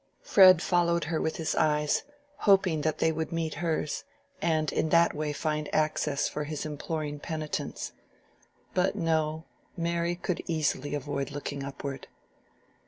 Fred followed her with his eyes, hoping that they would meet hers, and in that way find access for his imploring penitence. But no! Mary could easily avoid looking upward.